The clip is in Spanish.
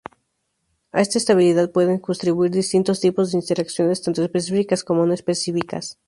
A esta estabilidad pueden contribuir distintos tipos de interacciones, tanto específicas como no específicas.